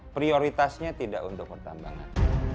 prioritasnya tidak untuk pertambangan